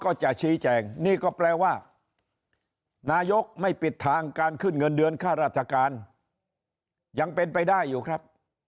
ก็จะชี้แจงนี่ก็แปลว่านายกไม่ปิดทางการขึ้นเงินเดือนค่าราชการยังเป็นไปได้อยู่ครับ